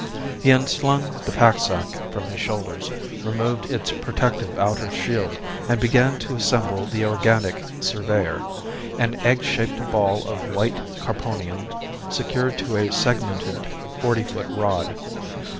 He unslung the packsack from his shoulders, removed its protective outer shield and began to assemble the organic surveyor, an egg shaped ball of white carponium secured to a segmented forty foot rod.